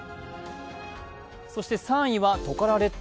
そして３位はトカラ列島